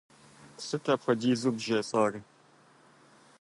Сыт апхуэдизу бжесӀар?